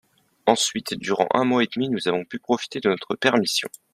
Ensuite durant un mois et demi nous avons pu profiter de notre permission